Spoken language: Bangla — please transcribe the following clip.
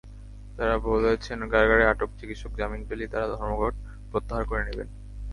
তাঁরা বলেছেন, কারাগারে আটক চিকিত্সক জামিন পেলেই তাঁরা ধর্মঘট প্রত্যাহার করে নেবেন।